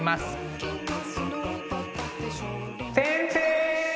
先生！